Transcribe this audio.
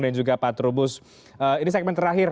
dan juga pak trubus ini segmen terakhir